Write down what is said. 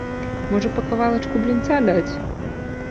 Можа па кавалачку блінца даць?